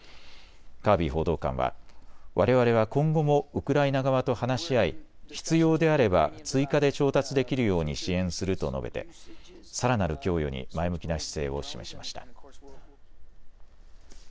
カービー報道官は、われわれは今後もウクライナ側と話し合い必要であれば追加で調達できるように支援すると述べてさらなる供与に前向きな姿勢を示しました。